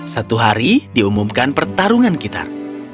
satu hari diumumkan pertarungan gitar